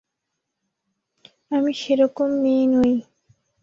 আমি সেরকম মেয়ে নই।